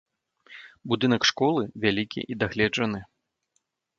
Будынак школы вялікі і дагледжаны.